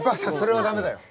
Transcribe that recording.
それは駄目だよ。